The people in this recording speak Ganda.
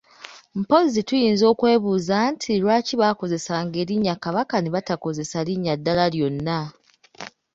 Mpozzi tuyinza okwebuuza nti lwaki baakozesanga erinnya Kabaka ne batakozesa linnya ddala lyonna?